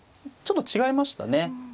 ちょっと違いましたね。